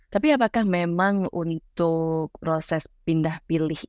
tapi apakah memang untuk proses pindah pilih